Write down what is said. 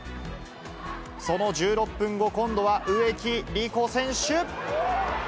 その１６分後、今度は植木理子選手。